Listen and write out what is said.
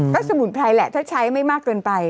ก็สมุนไพรแหละถ้าใช้ไม่มากเกินไป